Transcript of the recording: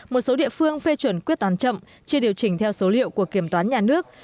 một số địa phương phê chuẩn quyết toán chậm chưa điều chỉnh theo số liệu của kiểm toán nhà nước